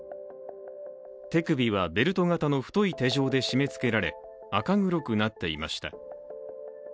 手首はベルト型の太い手錠で締めつけられ赤黒くなっていました。